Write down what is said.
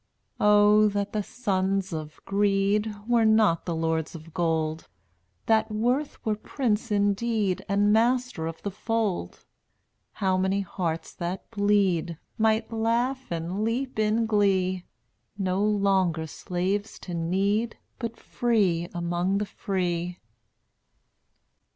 Oh, that the sons of Greed Were not the lords of gold, That Worth were prince indeed And master of the fold, How many hearts that bleed Might laugh and leap in glee — No longer slaves to Need But free among the free.